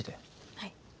はい。